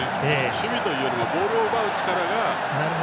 守備というよりボールを奪う力がある。